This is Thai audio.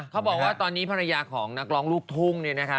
เขาบอกว่าตอนนี้ภรรยาของนักร้องลูกทุ่งเนี่ยนะคะ